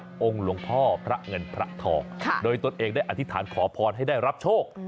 องค์หลวงพ่อพระเงินพระทองโดยตนเองได้อธิษฐานขอพรให้ได้รับโชค